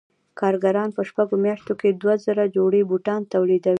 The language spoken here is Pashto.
کارګران په شپږو میاشتو کې دوه زره جوړې بوټان تولیدوي